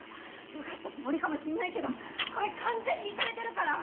うがったつもりかもしんないけどそれ完全にイカれてるから！